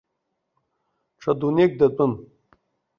Ҽа дунеик датәын.